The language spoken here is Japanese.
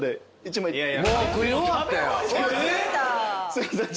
すいません。